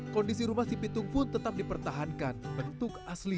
kondisi rumah si pitung pun tetap dipertahankan bentuk asli